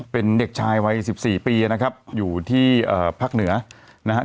เป็นเด็กชายวัย๑๔ปีนะครับอยู่ที่ภาคเหนือนะครับ